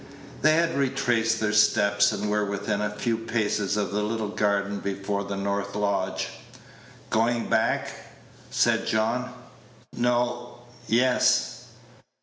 They had retraced their steps, and were within a few paces of the little garden before the north lodge. "Going back?" said John; "no yes."